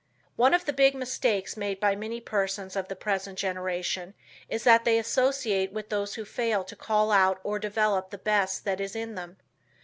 One of the big mistakes made by many persons of the present generation is that they associate with those who fail to call out or develop the best that is in them.